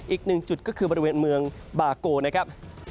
อีกหนึ่งจุดก็คือบริเวณเมืองบาโกนะครับ